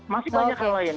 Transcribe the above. masih banyak hal lain